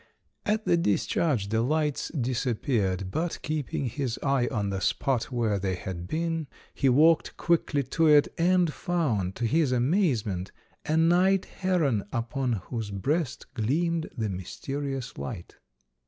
At the discharge the lights disappeared, but, keeping his eye on the spot where they had been, he walked quickly to it and found, to his amazement, a night heron, upon whose breast gleamed the mysterious light.